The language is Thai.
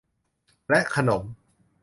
และขนม